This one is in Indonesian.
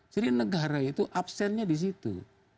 jadi negara itu absennya di situ